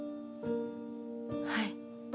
はい。